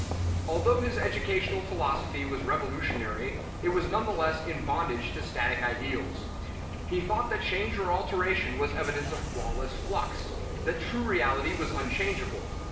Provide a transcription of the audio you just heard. Although his educational philosophy was revolutionary, it was none the less in bondage to static ideals. He thought that change or alteration was evidence of lawless flux; that true reality was unchangeable.